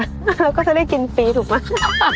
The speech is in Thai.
แล้วก็จะได้กินฟรีถูกมั้ง